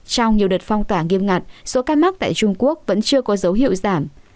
trong nhiều đợt phong tỏa nghiêm ngặt số ca mắc tại trung quốc vẫn chưa có dấu hiệu giảm